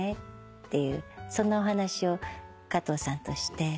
そんなお話を加藤さんとして。